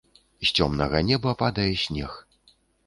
З цёмнага неба падае снег.